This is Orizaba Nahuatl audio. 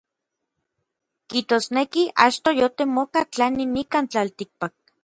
Kijtosneki achtoj yotemoka tlani nikan tlaltikpak.